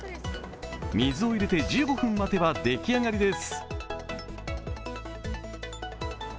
水を入れて、１５分待てば出来上がりです。